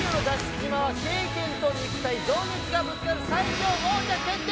島は経験と肉体情熱がぶつかる最強王者決定